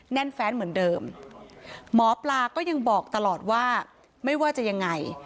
แน่นแฟนเหมือนเดิมหมอปลาก็ยังบอกตลอดว่าไม่ว่าจะยังไง